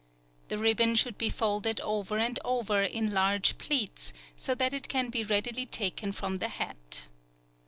—The ribbon should be folded over and over, in large pleats, so that it can be readily taken from the hat.